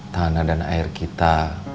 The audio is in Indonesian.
tanah dan air kita